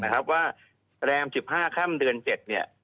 แรม๑๕ครั้มเดือน๗